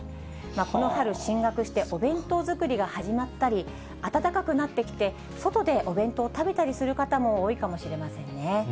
この春、進学してお弁当作りが始まったり、暖かくなってきて、外でお弁当を食べたりする方も多いかもしれませんね。